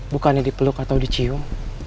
bukannya dipeluk atau dicium